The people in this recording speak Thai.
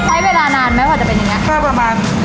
แม่ใช้เวลานานไหมพอจะเป็นอย่างนี้